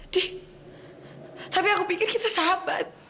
di tapi aku pikir kita sahabat